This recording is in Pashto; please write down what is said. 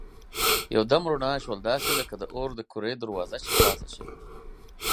یو دم رڼا شول داسې لکه د اور د کورې دروازه چي خلاصه شي.